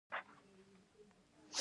په افغانستان کې کندز سیند ډېر اهمیت لري.